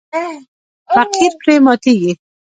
فقیر پرې ماتیږي.